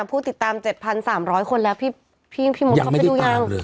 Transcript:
เป็น๓๐๐คนแล้วพี่มุทรเข้าไปดูยัง